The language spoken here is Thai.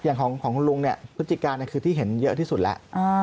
อย่างของคุณลุงเนี่ยพฤติการคือที่เห็นเยอะที่สุดแล้ว